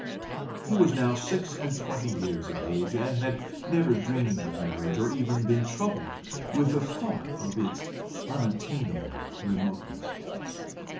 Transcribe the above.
He was now six and twenty years of age, and had never dreamed of marriage, or even been troubled with a thought of its unattainable remoteness.